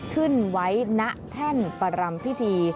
ขึ้นไว้ณแท่นประรำพิธี